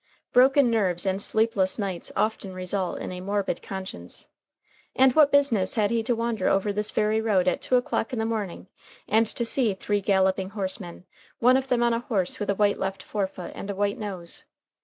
Broken nerves and sleepless nights often result in a morbid conscience. And what business had he to wander over this very road at two o'clock in the morning, and to see three galloping horsemen, one of them on a horse with a white left forefoot and a white nose?